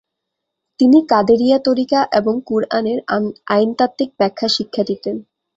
তিনি কাদেরিয়া তরিকা এবং কুরআনের আইনতাত্ত্বিক ব্যাখ্যা শিক্ষা দিতেন।